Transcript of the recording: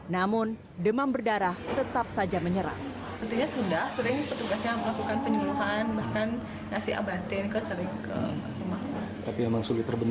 namun demam berdarah tetap saja menyerang